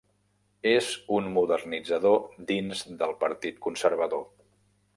És un modernitzador dins del Partit Conservador.